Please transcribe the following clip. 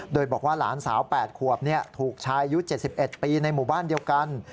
โดยบอกว่าหลานสาว๘ขวบถูกชายอายุ๗๑ปีในหมู่บ้านเดียวกัน